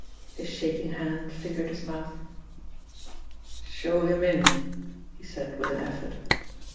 His shaking hand fingered his mouth. "Show him in," he said with an effort.